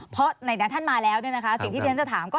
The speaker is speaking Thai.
เพราะท่านมาแล้วที่ท่านจะถามนะครับ